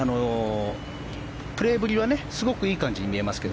プレーぶりはすごくいい感じに見えますね。